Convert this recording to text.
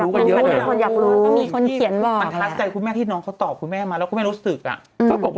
ก็มีคนเขียนบอก